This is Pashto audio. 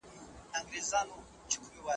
که چېرې ته تواضع ولرې نو لوړ مقام ته به ورسېږې.